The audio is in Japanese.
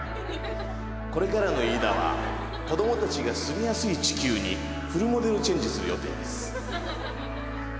これからのイイダは子供たちが住みやすい地球にフルモデルチェンジする予定です。